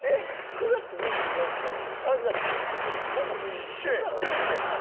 ９月２４日と３月２５日ってほぼ一緒なん？